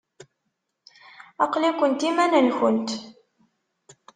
Aql-ikent iman-nkent.